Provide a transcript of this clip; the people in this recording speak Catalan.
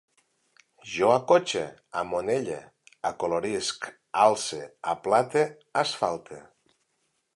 Jo acotxe, amanolle, acolorisc, alce, aplate, asfalte